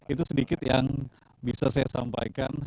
itu sedikit yang bisa saya sampaikan